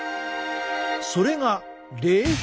それが冷風！